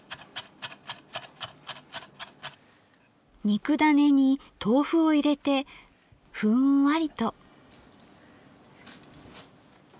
肉ダネに豆腐を入れてふんわりと。